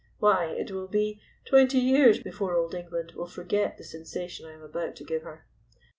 Why, it will be twenty years before old England will forget the sensation I am about to give her."